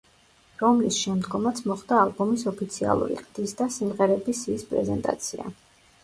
რომლის შემდგომაც მოხდა ალბომის ოფიციალური ყდის და სიმღერების სიის პრეზენტაცია.